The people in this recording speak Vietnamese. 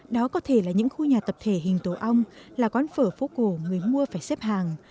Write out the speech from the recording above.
đó có thể là những khu nhà tập thể hình tổ ong là quán phở phố cổ người mua phải xếp hàng